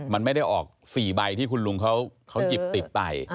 มันไม่ได้ออก๔ใบที่คุณลุงเขาหยิบติดไป